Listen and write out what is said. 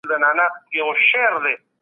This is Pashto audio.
ولي سوله ییز لاریونونه د خلګو حق دی؟